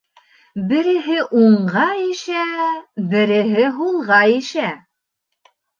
Береһе уңға ишә, береһе һулға ишә.